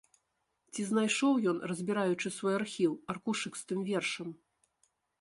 Ці знайшоў ён, разбіраючы свой архіў, аркушык з тым вершам?